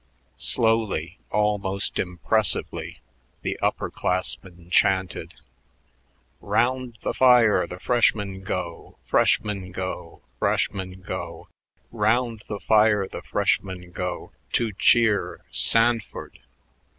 Slowly, almost impressively, the upper classmen chanted: "Round the fire, the freshmen go, Freshmen go, Freshmen go; Round the fire the freshmen go To cheer Sanford."